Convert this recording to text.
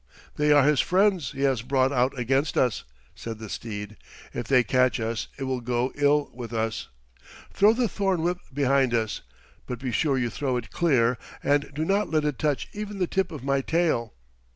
"They are his friends he has brought out against us," said the steed. "If they catch us it will go ill with us. Throw the thorn whip behind us, but be sure you throw it clear and do not let it touch even the tip of my tail."